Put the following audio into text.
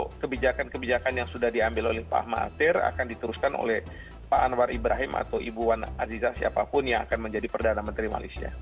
kalau kebijakan kebijakan yang sudah diambil oleh pak mahathir akan diteruskan oleh pak anwar ibrahim atau ibu wan aziza siapapun yang akan menjadi perdana menteri malaysia